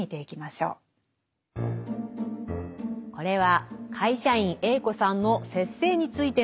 これは会社員Ａ子さんの「節制」についてのお話です。